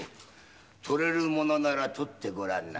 取れるものなら取ってごらんなさい。